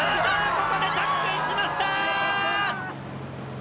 ここで着水しました！